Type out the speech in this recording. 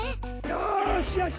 よしよし！